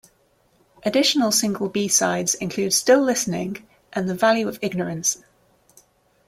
Additional single b-sides include "Still Listening" and "The Value of Ignorance".